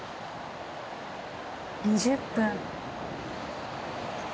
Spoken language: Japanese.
２０分。